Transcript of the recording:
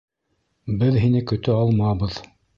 — Беҙ һине көтә алмабыҙ.